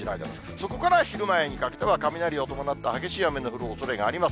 そこから昼前にかけては、雷を伴った激しい雨の降るおそれがあります。